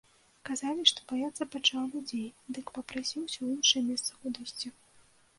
Казалі, што баяцца пачаў людзей, дык папрасіўся ў іншае месца кудысьці.